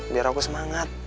biar aku semangat